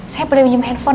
saya beli pinjem handphone